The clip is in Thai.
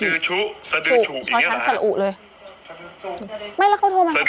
สดืชุสดืฉู่อย่างงี้หรอ